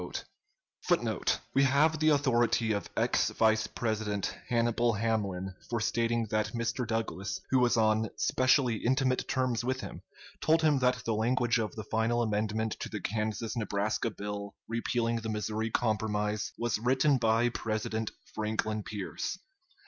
] [Relocated Footnote (2): We have the authority of ex Vice President Hannibal Hamlin for stating that Mr. Douglas (who was on specially intimate terms with him) told him that the language of the final amendment to the Kansas Nebraska bill repealing the Missouri Compromise was written by President Franklin Pierce.